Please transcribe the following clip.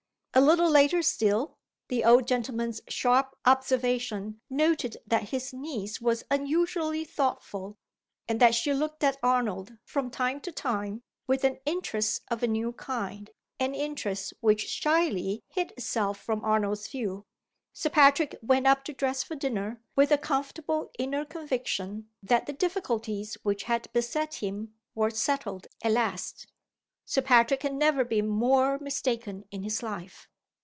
A little later still, the old gentleman's sharp observation noted that his niece was unusually thoughtful, and that she looked at Arnold, from time to time, with an interest of a new kind an interest which shyly hid itself from Arnold's view. Sir Patrick went up to dress for dinner, with a comfortable inner conviction that the difficulties which had beset him were settled at last. Sir Patrick had never been more mistaken in his life.